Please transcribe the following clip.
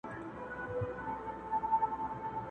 سندرغاړي نڅاگاني او سازونه؛